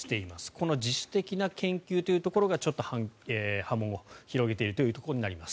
この自主的な研究というところがちょっと波紋を広げているところになります。